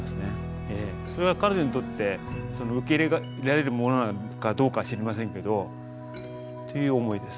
それが彼女にとって受け入れられるものなのかどうかは知りませんけどという思いです。